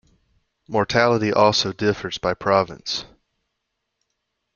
Mortality also differs by province.